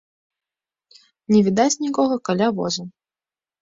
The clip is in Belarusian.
Не відаць нікога каля воза.